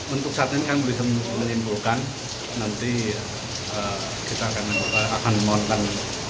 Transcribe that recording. untuk saat ini kan belum menyimpulkan nanti kita akan mohonkan